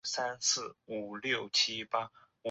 湿地勿忘草是紫草科勿忘草属的植物。